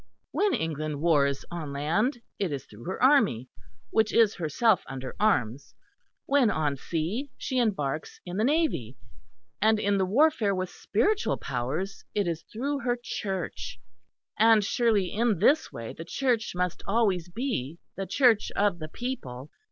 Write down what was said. When England wars on land it is through her army, which is herself under arms; when on sea she embarks in the navy; and in the warfare with spiritual powers, it is through her Church. And surely in this way the Church must always be the Church of the people.